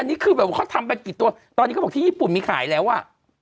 อันนี้คือแบบว่าเขาทำไปกี่ตัวตอนนี้เขาบอกที่ญี่ปุ่นมีขายแล้วอ่ะ